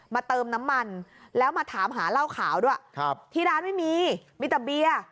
เติมน้ำมันแล้วมาถามหาเหล้าขาวด้วยครับที่ร้านไม่มีมีแต่เบียร์